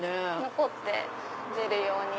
残って出るように。